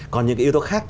còn những cái yếu tố khác